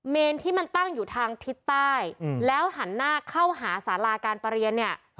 เนรที่มันตั้งอยู่ทางทิศใต้แล้วหันหน้าเข้าหาสาราการประเรียนเนี่ย